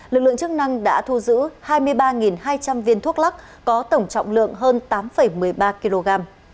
lực lượng chức năng đã thu giữ hai mươi ba hai trăm linh viên thuốc lắc có tổng trọng lượng hơn tám một mươi ba kg